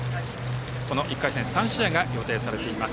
１回戦３試合が予定されています。